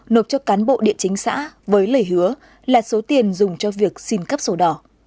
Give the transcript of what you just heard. nộp cho cán bộ địa chính xã với lời hứa là số tiền dùng cho việc xin cấp sổ đỏ